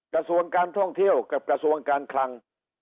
กระทรวงการท่องเที่ยวกับกระทรวงการคลัง